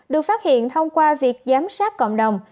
được phát hiện thông qua việc giám sát cộng đồng